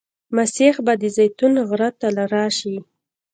مسیح به د زیتون غره ته راشي.